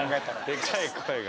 でかい声が。